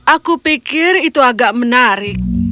aku pikir itu agak menarik